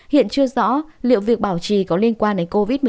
hiện chưa rõ liệu việc bảo trì có liên quan đến covid một mươi chín hay không